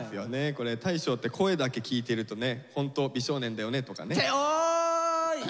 これ「大昇って声だけ聞いてるとねホント美少年だよね」とかね。っておい！